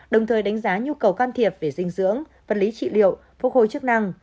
đồng thời đánh giá nhu cầu can thiệp về dinh dưỡng vật lý trị liệu phục hồi chức năng